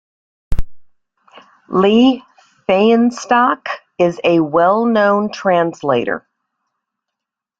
Lee Fahnestock is a well-known translator.